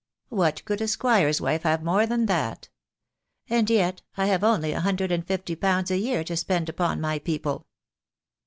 What could a squire's wife have more than that? And yet I have only a hundred and fifty pounds a year to spend upon my people."